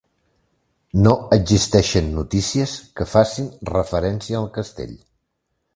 No existeixen notícies que facin referència al castell.